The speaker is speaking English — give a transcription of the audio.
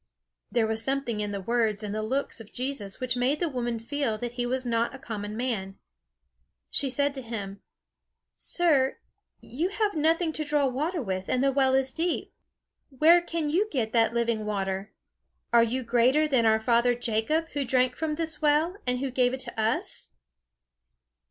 There was something in the words and the looks of Jesus which made the woman feel that he was not a common man. She said to him: "Sir, you have nothing to draw water with, and the well is deep. Where can you get that living water? Are you greater than our father Jacob, who drank from this well, and who gave it to us?"